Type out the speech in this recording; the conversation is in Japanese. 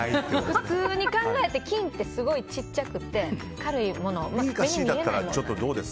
普通に考えて菌ってすごい小さくて軽いもの、目に見えないもの。